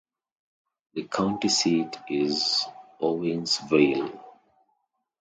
The county seat is Owingsville.